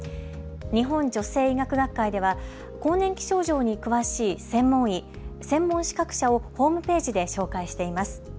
日本女性医学学会では更年期症状に詳しい専門医、専門資格者をホームページで紹介しています。